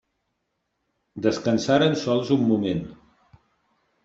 Descansaren sols un moment.